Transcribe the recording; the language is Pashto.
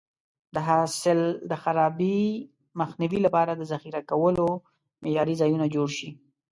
د حاصل د خرابي مخنیوي لپاره د ذخیره کولو معیاري ځایونه جوړ شي.